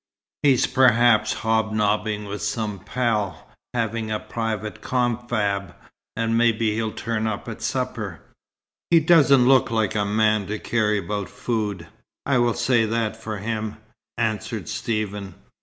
He's perhaps hob nobbing with some pal, having a private confab, and maybe he'll turn up at supper." "He doesn't look like a man to care about food, I will say that for him," answered Stephen.